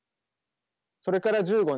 それから１５年。